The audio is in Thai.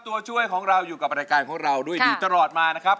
ตัวช่วยของเราอยู่กับรายการของเราด้วยดีตลอดมานะครับ